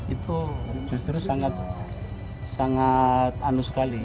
itu justru sangat anu sekali